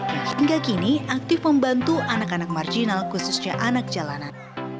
yang hingga kini aktif membantu anak anak marginal khususnya anak jalanan